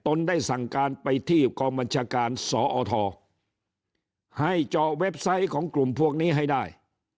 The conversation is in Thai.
ได้สั่งการไปที่กองบัญชาการสอทให้เจาะเว็บไซต์ของกลุ่มพวกนี้ให้ได้